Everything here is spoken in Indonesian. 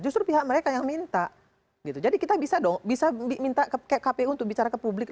justru pihak mereka yang minta gitu jadi kita bisa dong bisa minta kpu untuk bicara ke publik